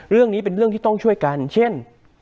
เรื่องนี้เป็นเรื่องที่ต้องช่วยกันเช่น